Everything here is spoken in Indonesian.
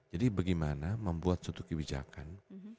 jadi bagaimana membuat suatu kebijakan